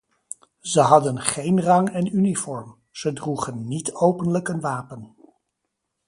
Ze hadden geen rang en uniform, ze droegen niet openlijk een wapen.